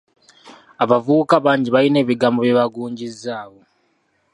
Abavubuka bangi balina ebigambo bye bagungizzaawo.